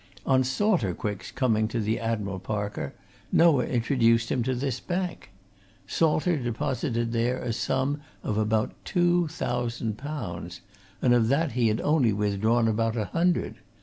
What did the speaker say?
On Salter Quick's coming to the Admiral Parker, Noah introduced him to this bank: Salter deposited there a sum of about two thousand pounds, and of that he had only withdrawn about a hundred.